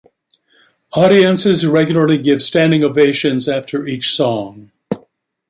Audiences regularly give standing ovations after each song.